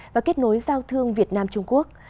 và kết nối giao thương việt nam trung quốc